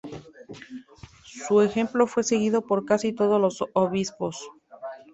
Su ejemplo fue seguido por casi todos los obispos.